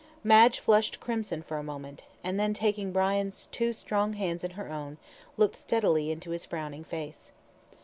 Madge flushed crimson for a moment, and then taking Brian's two strong hands in her own, looked steadily into his frowning face.